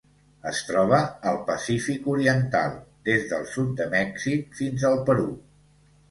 Es troba al Pacífic oriental: des del sud de Mèxic fins al Perú.